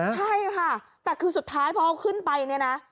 ใช่ค่ะแต่คือสุดท้ายพอเอาขึ้นไปเนี่ยนะ